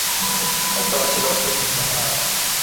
একতলায় ছিল জীব-জানোয়ার ও হিংস্র পশ্বাদি।